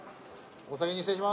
お先に失礼します。